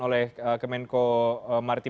oleh kemenko maritim